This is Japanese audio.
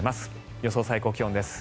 予想最高気温です。